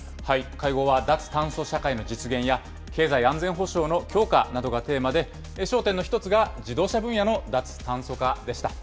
会合は脱炭素社会の実現や、経済安全保障の強化などがテーマで焦点の１つが、自動車分野の脱炭素化でした。